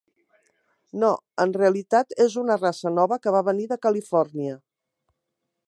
No, en realitat és una raça nova que va venir de Califòrnia.